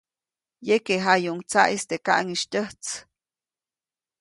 Yekeʼjayuʼuŋ tsaʼis teʼ kaʼŋis tyäjts.